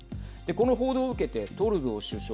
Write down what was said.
この報道を受けて、トルドー首相